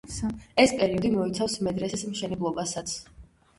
ეს პერიოდი მოიცავს მედრესეს მშენებლობასაც.